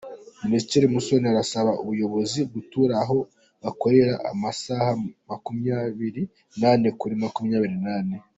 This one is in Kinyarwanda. Minisitiri Musoni arasaba abayobozi gutura aho bakorera amasaha makumyabiri nane kuri makumyabiri nane